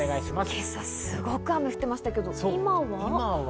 今朝、すごく雨降ってましたけど今は。